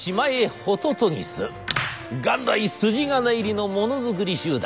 元来筋金入りのものづくり集団。